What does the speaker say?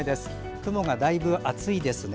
雲がだいぶ厚いですね。